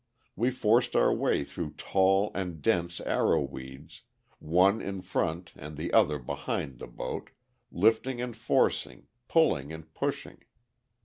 We forced our way through tall and dense arrow weeds, one in front and the other behind the boat, lifting and forcing, pulling and pushing.